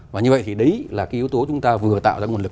và như vậy thì đấy là cái yếu tố chúng ta vừa tạo ra nguồn lực